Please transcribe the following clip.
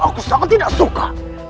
aku sangat tidak suka